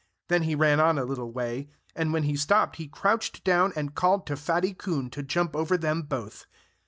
Then he ran on a little way. And when he stopped, he crouched down and called to Fatty Coon to jump over them both.